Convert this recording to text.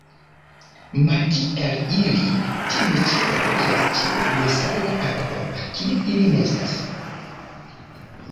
Malkiel ili, tiuj ĉi loĝas ĉe nesala akvo, kie ili nestas.